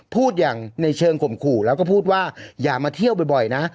พูดอย่างในเชิงข่มขู่แล้วก็พูดว่าอย่ามาเที่ยวบ่อยนะ